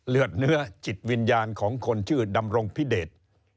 เลือดเนื้อจิตวิญญาณของคนชื่อดำรงพิเดช